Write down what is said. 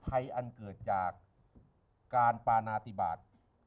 อันเกิดจากการปานาติบาท